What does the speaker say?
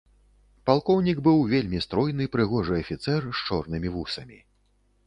Палкоўнік быў вельмі стройны, прыгожы афіцэр з чорнымі вусамі.